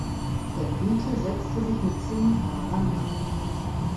Der Brite setzte sich mit zehn Fahrern ab.